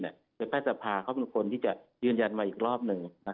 แต่แพทย์สภาเขาเป็นคนที่จะยืนยันมาอีกรอบหนึ่ง